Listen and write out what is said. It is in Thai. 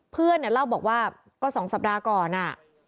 เพื่อนเนี่ยเล่าบอกว่าก็๒สัปดาห์ก่อน